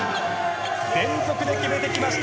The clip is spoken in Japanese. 連続で決めてきました。